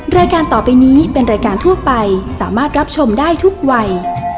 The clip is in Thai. รายการต่อไปนี้เป็นรายการทั่วไปสามารถรับชมได้ทุกวัย